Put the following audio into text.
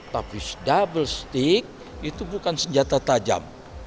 tapi double stick itu bukan senjata tajam